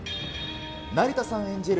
成田さん演じる